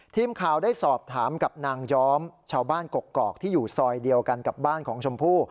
ทีมข่าวได้สอบถามกับนางย้อมชาวบ้านกกอกที่อยู่ซอยเดียวกันกับบ้านของชมพู่